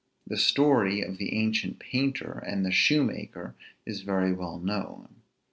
The story of the ancient painter and the shoemaker is very well known.